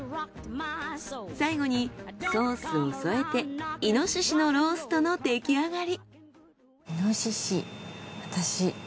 最後にソースを添えて猪のローストの出来上がり。